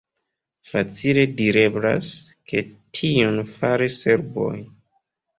Facile direblas, ke tion faris serboj.